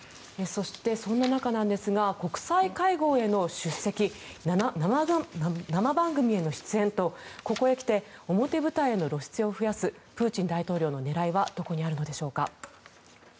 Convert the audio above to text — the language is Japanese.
そしてそんな中なんですが国際会合への出席生番組への出演とここへ来て表舞台への露出を増やすプーチン大統領の狙いはどこにあるのでしょうか。